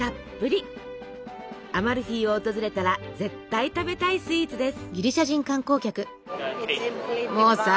アマルフィを訪れたら絶対食べたいスイーツです。